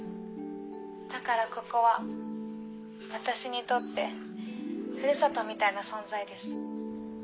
だからここは私にとってふるさとみたいな存在です。